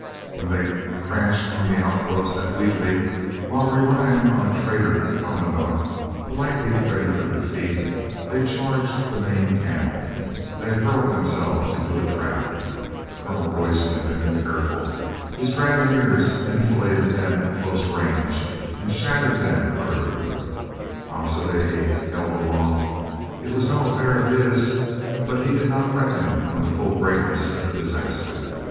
When they crashed on the outposts at Wheatley, when relying on a traitor commandant, politely ready for defeat, they charged the main camp, they hurled themselves into a trap. Colonel Royston had been careful. His dragooners enfiladed them at close range and shattered them utterly. Alcibiade held aloof. It was no affair of his. But he did not reckon on the full greatness of the disaster.